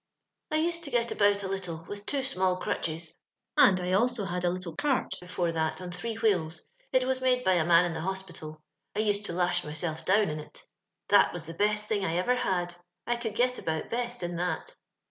•*I nsed to get abont a little, ifith two small outehes, and I also had a little eart befbfe that, on three wheds; it was made by a man in the hospital. Insedtolashmjselfdownin it That was the best thing I eirer had— I ooold get about best in that